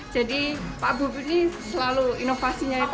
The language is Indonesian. jadi pak bub ini selalu inovasinya itu